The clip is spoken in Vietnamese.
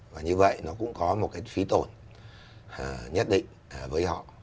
và như vậy nó cũng có một cái phí tổn nhất định với họ